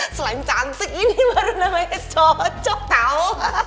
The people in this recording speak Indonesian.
selain cantik ini baru namanya socok tau